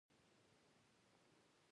پیلوټ تل تمرین ته اړتیا لري.